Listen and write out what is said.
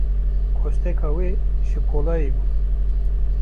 Kosteka wê, ji polayê bû.